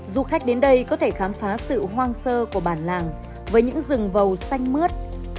du khách đến đây có thể khám phá sự hoang sơ của bản làng với những rừng vầu xanh mướt